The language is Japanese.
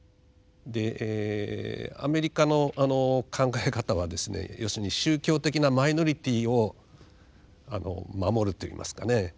でアメリカの考え方はですね要するに宗教的なマイノリティーを守るといいますかね。